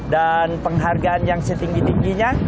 penghargaan yang setinggi tingginya